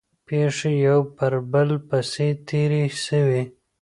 پېښې یو پر بل پسې تېرې سوې.